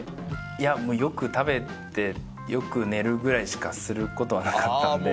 いやもうよく食べてよく寝るぐらいしかする事はなかったので。